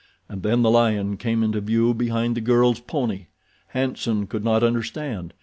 And then the lion came into view behind the girl's pony. Hanson could not understand.